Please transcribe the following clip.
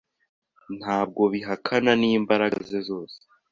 Ntabwo bihakana n'imbaraga ze zose